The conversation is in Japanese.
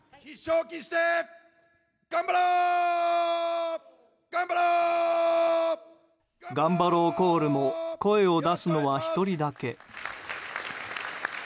ガンバローコールも声を出すのは１人だけ。